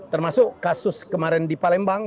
termasuk kasus kemarin di palembang